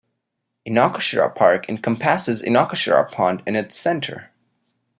Inokashira Park encompasses Inokashira pond in its center.